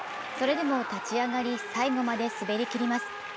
それでも立ち上がり、最後まで滑りきります。